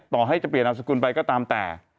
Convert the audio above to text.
ต่อให้จะเปลี่ยนนามสกุลไปก็ตามแต่